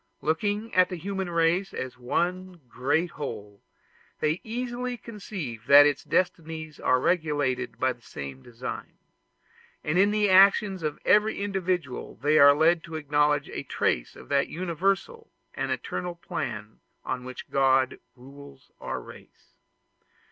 Looking at the human race as one great whole, they easily conceive that its destinies are regulated by the same design; and in the actions of every individual they are led to acknowledge a trace of that universal and eternal plan on which God rules our race.